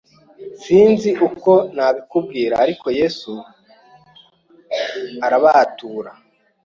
Sinzi uko nabikubwira ariko Yesu arabatura.